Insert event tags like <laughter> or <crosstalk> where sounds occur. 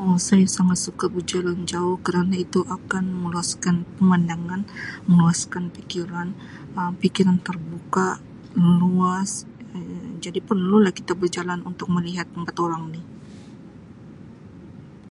Um Saya sangat suka berjalan jauh kerana itu akan meluaskan pemandangan, meluaskan pikiran, Um pikiran terbuka meluas <unintelligible> jadi perlulah kita berjalan unuk melihat tempat orang ni.